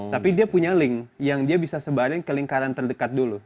tapi dia punya link yang dia bisa sebarin ke lingkaran terdekat dulu